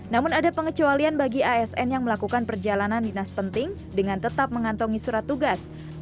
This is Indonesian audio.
namun ada pengecualian bagi asn yang melakukan perjalanan dinas penting dengan tetap mengantongi surat tugas